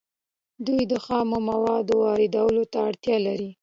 دوی د خامو موادو واردولو ته اړتیا لري